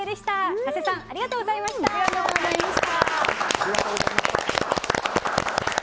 加瀬さんありがとうございました。